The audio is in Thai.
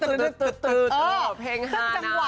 ออกเพลง๕นะ